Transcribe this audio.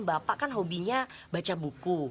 bapak kan hobinya baca buku